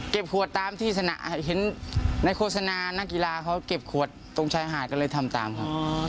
ขวดตามที่เห็นในโฆษณานักกีฬาเขาเก็บขวดตรงชายหาดก็เลยทำตามครับ